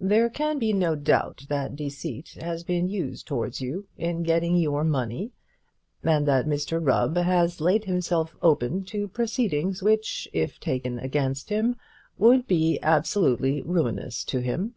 There can be no doubt that deceit has been used towards you in getting your money, and that Mr Rubb has laid himself open to proceedings which, if taken against him, would be absolutely ruinous to him.